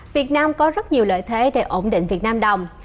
việt nam có rất nhiều lợi thế để ổn định việt nam đồng